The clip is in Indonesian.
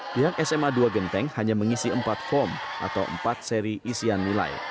pihak sma dua genteng hanya mengisi empat form atau empat seri isian nilai